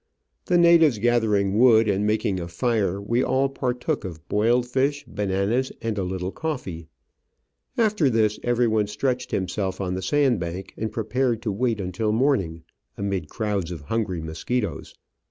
The natives gather ing wood and making a fire, we all partook of boiled fish, bananas, and a little coffee. After this, everyone stretched himself on the sand bank and prepared to wait until morning, amid crowds of hungry mosquitoes.